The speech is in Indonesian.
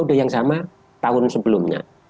periode yang sama tahun sebelumnya